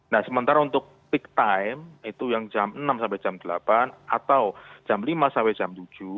nah sementara untuk peak time itu yang jam enam sampai jam delapan atau jam lima sampai jam tujuh